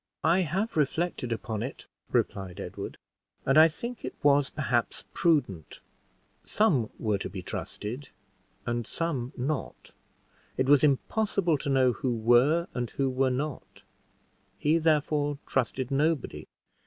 "I have reflected upon it," replied Edward, "and I think it was perhaps prudent: some were to be trusted and some not; it was impossible to know who were and who were not he therefore trusted nobody.